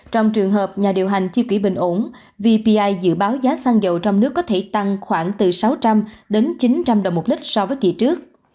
trong trường hợp nhà điều hành chi quỹ bình ổn vpi dự báo giá xăng dầu trong nước có thể tăng khoảng từ sáu trăm linh đến chín trăm linh đồng một lít so với kỷ trước